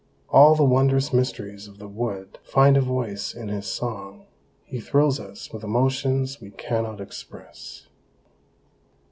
All the wondrous mysteries of the wood find a voice in his song; he thrills us with emotions we can not express."